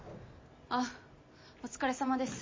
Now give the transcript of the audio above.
あっお疲れさまです。